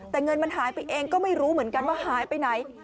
แต่เงินมันหายไปเองก็ไม่รู้เหมือนกันว่าหายไปไหน